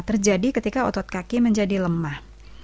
terjadi ketika otot kaki menjadi lemah